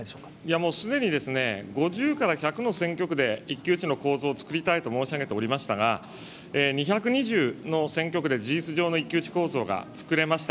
もうすでに５０から１００の選挙区で一騎打ちの構図をつくりたいと申し上げておりましたが、２２０の選挙区で事実上の一騎打ち構図がつくれました。